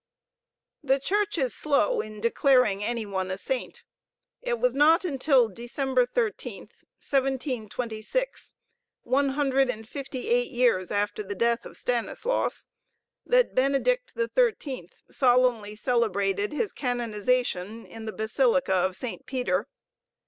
The Church is slow in declaring any one a saint. It was not until December 13, 1726, one hundred and fifty eight years after the death of Stanislaus, that Benedict XIII solemnly celebrated his canonization in the Basilica of St. Peter.